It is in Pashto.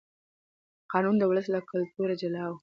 قانون د ولس له کلتوره جلا و.